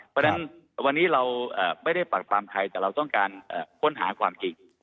เพราะฉะนั้นวันนี้เราไม่ได้ปรับปรามใครแต่เราต้องการค้นหาความจริง